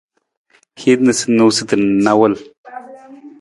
Hin niisaniisatu na nawul.